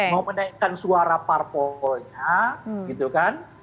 mau menaikkan suara parpolnya gitu kan